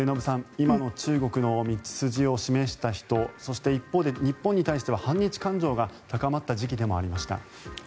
今の中国の道筋を示した人そして一方で日本に対しては反日感情が高まった時期でもありました。